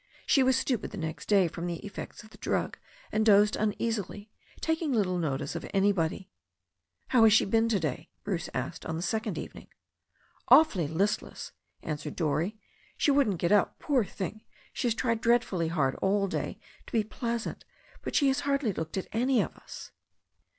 She was stupid the next day from the effects of the drug and dozed uneasily, taking little notice of any body. "How has she been to day?" Bruce asked on the second evening. "Awfully listless/' answered Dorrie. "She wouldn't get up. Poor thing, she has tried dreadfully hard all day to be pleasant. But she has hardly looked at any of us."